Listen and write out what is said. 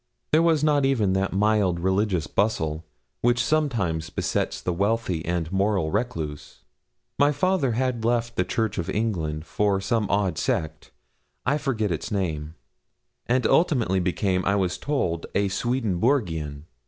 There was not even that mild religious bustle which sometimes besets the wealthy and moral recluse. My father had left the Church of England for some odd sect, I forget its name, and ultimately became, I was told, a Swedenborgian.